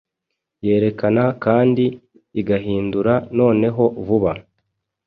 yerekana kandi igahindura Noneho vuba